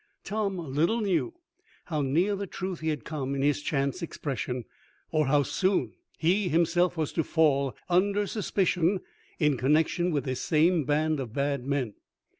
Tom little knew how near the truth he had come in his chance expression, or how soon he himself was to fall under suspicion in connection with this same band of bad men.